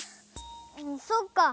そっか！